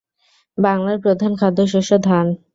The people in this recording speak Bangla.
বাংলার প্রধান খাদ্যশস্য ধান।